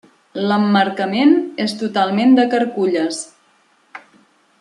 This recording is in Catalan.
L'emmarcament és totalment de carculles.